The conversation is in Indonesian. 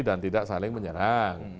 dan tidak saling menyerang